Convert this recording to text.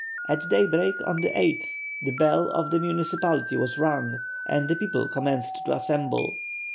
At daybreak on the 8th, the bell of the municipality was rung and the people commenced to assemble.